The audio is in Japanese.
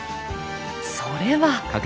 それは。